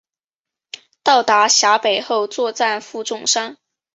到达陕北后作战负重伤。